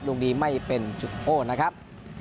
ดวงดีไม่เป็นจุดโภคนะครับ